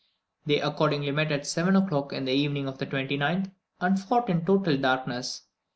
They accordingly met at 7 o'clock in the evening of the 29th, and fought in total darkness.